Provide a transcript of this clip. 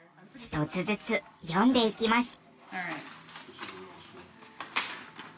１つずつ読んでいきます。